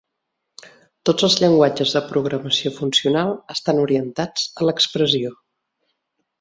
Tots els llenguatges de programació funcional estan orientats a l'expressió.